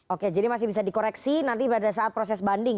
oke jadi masih bisa dikoreksi nanti pada saat proses banding